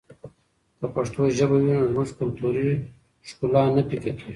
که پښتو ژبه وي نو زموږ کلتوري ښکلا نه پیکه کېږي.